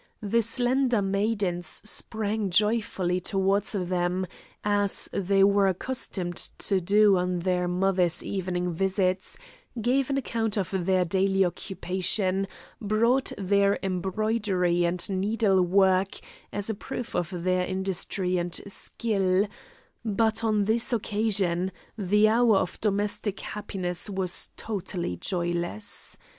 The slender maidens sprang joyfully towards them, as they were accustomed to do on their mother's evening visits, gave an account of their daily occupation, brought their embroidery and needle work as a proof of their industry and skill; but, on this occasion, the hour of domestic happiness was totally joyless.